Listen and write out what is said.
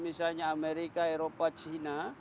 misalnya amerika eropa china